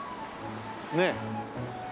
ねえ。